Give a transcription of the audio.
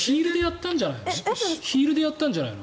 ヒールでやったんじゃないの？